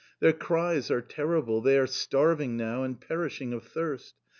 Their cries are terrible, they are starving now and perishing of thirst.